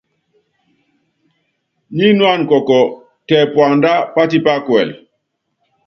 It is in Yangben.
Nyinuána kɔɔkɔ, tɛ puandá patípá kuɛlɛ.